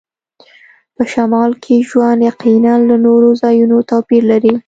په شمال کې ژوند یقیناً له نورو ځایونو توپیر لري